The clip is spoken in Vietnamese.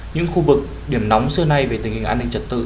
những khu vực điểm nóng xưa nay về tình hình an ninh trật tự